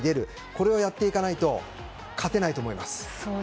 これをやっていかないと勝てないと思います。